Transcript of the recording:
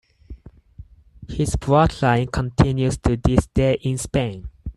His bloodline continues to this day in Spain.